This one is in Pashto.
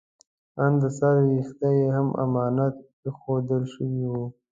ان د سر ویښتان یې هم امانت ایښودل شوي وو.